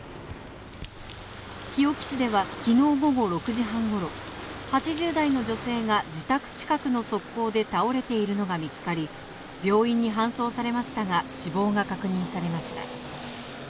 日置市では昨日午後６時半頃、８０代の女性が自宅近くの側溝で倒れているのが見つかり、病院に搬送されましたが死亡が確認されました。